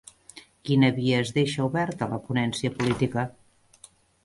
Quina via es deixa oberta a la ponència política?